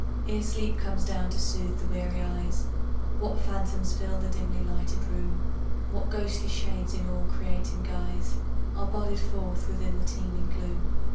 Ere sleep comes down to soothe the weary eyes, What phantoms fill the dimly lighted room; What ghostly shades in awe creating guise Are bodied forth within the teeming gloom.